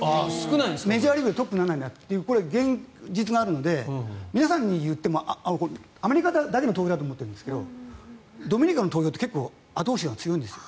メジャーリーグでトップにならないんだという現実があるので皆さんに言ってもアメリカだけの投票だと思ってるんですがドミニカの投票って結構後押しが強いんですよ。